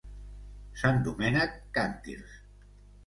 Sant Domènec, càntirs.